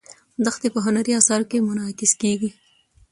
دښتې په هنري اثارو کې منعکس کېږي.